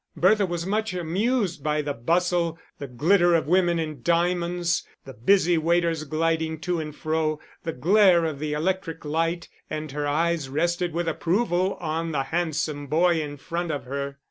Bertha was much amused by the bustle, the glitter of women in diamonds, the busy waiters gliding to and fro, the glare of the electric light: and her eyes rested with approval on the handsome boy in front of her.